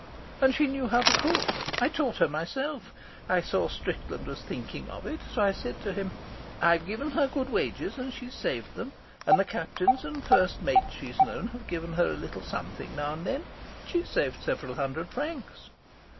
And she knew how to cook. I taught her myself. I saw Strickland was thinking of it, so I said to him: 'I've given her good wages and she's saved them, and the captains and the first mates she's known have given her a little something now and then. She's saved several hundred francs.'